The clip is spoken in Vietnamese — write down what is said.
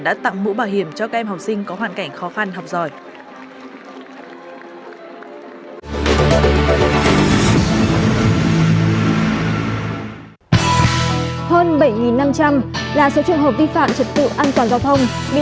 đã tặng mũ bảo hiểm cho các em học sinh có hoàn cảnh khó khăn học giỏi